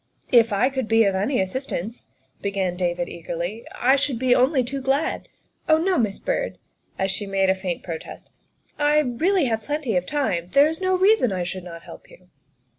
''" If I could be of any assistance," began David eagerly, " I should be only too glad. Oh, no, Miss Byrd," as she made a faint protest, " I have plenty of time there is no reason I should not help you.